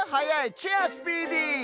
チェアスピーディー！